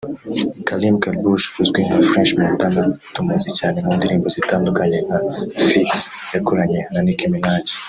Karim Kharbouch uzwi nka French Montana tumuzi cyane mu ndirimbo zitandukanye nka “Freaks” yakoranye na Nicki Minaj